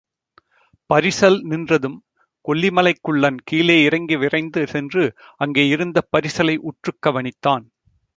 பரிசல் நின்றதும் கொல்லிமலைக் குள்ளன் கீழே இறங்கி விரைந்து சென்று, அங்கே இருந்த பரிசலை உற்றுக் கவனித்தான்.